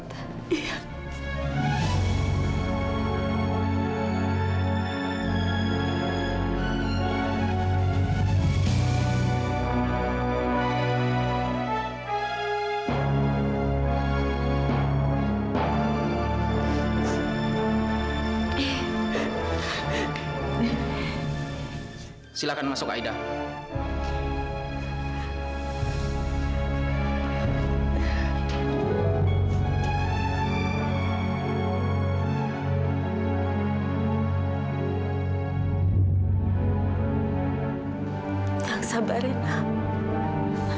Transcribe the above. terima kasih tante